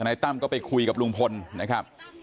นายตั้มก็ไปคุยกับลุงพลนะครับ